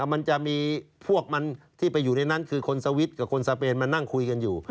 มันจะมีพวกมันที่ไปอยู่ในนั้นคือคนสวิตช์กับคนสเปนมานั่งคุยกันอยู่